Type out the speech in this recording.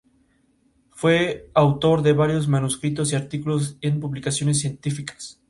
Fue autor de varios manuscritos y artículos en publicaciones científicas.